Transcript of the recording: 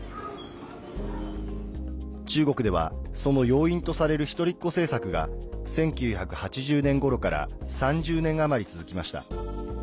中国では、その要因とされる一人っ子政策が１９８０年ごろから３０年余り続きました。